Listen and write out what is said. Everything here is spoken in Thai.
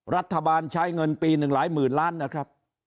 รัฐบาลใช้เงินปีหนึ่งหลายหมื่นล้านนะครับ